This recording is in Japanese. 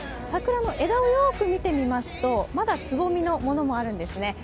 桜の枝をよく見てみますと、まだつぼみのものもあるんですね。